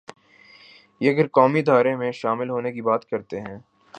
یہ اگر قومی دھارے میں شامل ہونے کی بات کرتے ہیں۔